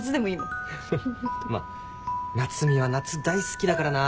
まあ夏海は夏大好きだからな。